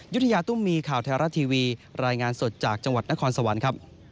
ยุธยาตุ้มมีข่าวไทยรัฐทีวีรายงานสดจากจังหวัดนครสวรรค์ครับ